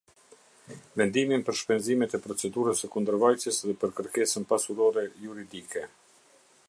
Vendimin për shpenzimet e procedurës së kundërvajtjes dhe për kërkesën pasurore juridike.